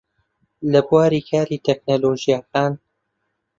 لە بواری کاری تەکنۆلۆژیاکان